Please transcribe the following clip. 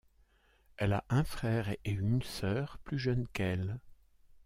Elle a un frère et une sœur plus jeunes qu'elle.